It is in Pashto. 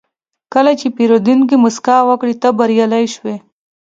کله چې پیرودونکی موسکا وکړي، ته بریالی شوې.